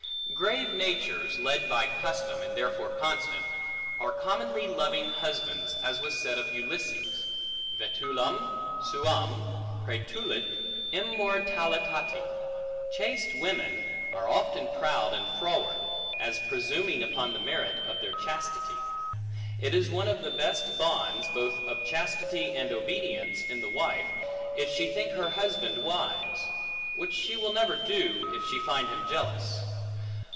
Grave natures, led by custom, and therefore constant, are commonly loving husbands, as was said of Ulysses, vetulam suam praetulit immortalitati. Chaste women are often proud and froward, as presuming upon the merit of their chastity. It is one of the best bonds, both of chastity and obedience, in the wife, if she think her husband wise; which she will never do, if she find him jealous.